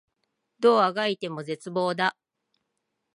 どう足掻いても絶望だ